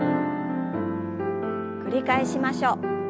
繰り返しましょう。